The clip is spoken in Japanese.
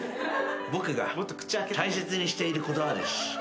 「僕が大切にしている言葉です」